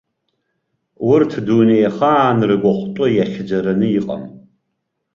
Урҭ дунеихаан ргәахәтәы иахьӡараны иҟам.